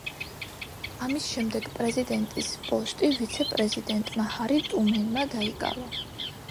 ამის შემდეგ პრეზიდენტის პოსტი ვიცე-პრეზიდენტმა ჰარი ტრუმენმა დაიკავა.